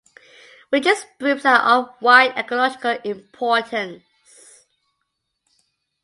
Witches' brooms are of wide ecological importance.